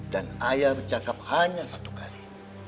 ayah bercakap hanya satu kali